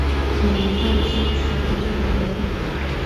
მხარეს არ აქვს სათემო დაყოფა.